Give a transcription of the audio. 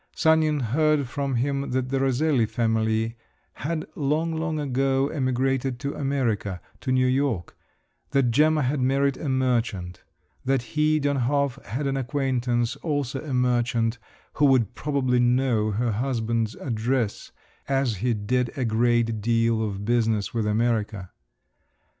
Sanin heard from him that the Roselli family had long, long ago emigrated to America, to New York; that Gemma had married a merchant; that he, Dönhof, had an acquaintance also a merchant, who would probably know her husband's address, as he did a great deal of business with America.